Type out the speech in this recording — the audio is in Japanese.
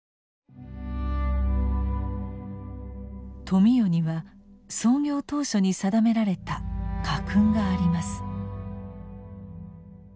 富美代には創業当初に定められた家訓があります。